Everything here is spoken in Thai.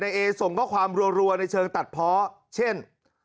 เอส่งข้อความรัวในเชิงตัดเพาะเช่น